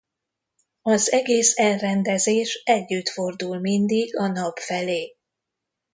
Az egész elrendezés együtt fordul mindig a Nap felé.